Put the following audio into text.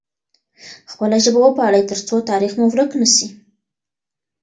خپله ژبه وپالئ ترڅو تاریخ مو ورک نه سي.